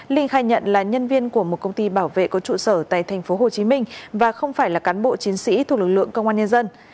linh khai nhận là nhân viên của một công ty bảo vệ có trụ sở tại thành phố hồ chí minh và không phải là cán bộ chiến sĩ thuộc lực lượng công an nhân dân